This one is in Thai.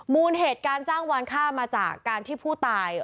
มูลเหตุการจ้างวานค่ามาจากการที่ผู้ตาย